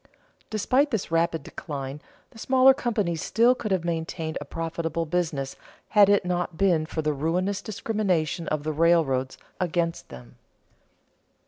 Despite this rapid decline, the smaller companies still could have maintained a profitable business had it not been for the ruinous discrimination of the railroads against them.